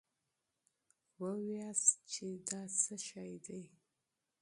وواياست چې دا څه شی دی.